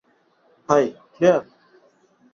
High, Claire.